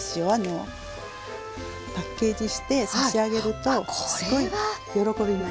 パッケージして差し上げるとすごい喜びます。